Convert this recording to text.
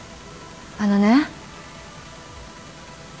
あのね